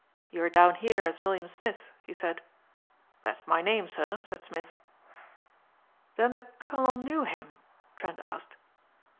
'You are down here as William Smith,' he said." "'That is my name, sir,' said Smith." "Then the colonel knew him?" Trent asked.